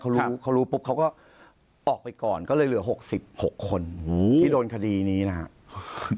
เขารู้เขารู้ปุ๊บเขาก็ออกไปก่อนก็เลยเหลือ๖๖คนที่โดนคดีนี้นะครับ